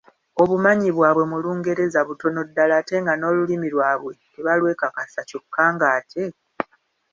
Obumanyi bwabwe mu Lungereza butono ddala ate nga n’Olulimi lwabwe tebalwekakasa kyokka ng’ate